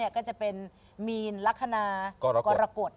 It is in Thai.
ก็จะเป็นมีนลักษณะกรกฎ